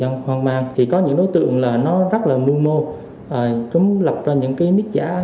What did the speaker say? nhiều người dân hoang mang thì có những đối tượng là nó rất là mưu mô chúng lọc ra những cái nít giả